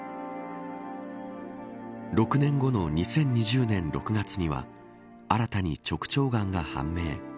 ６年後の２０２０年６月には新たに直腸がんが判明。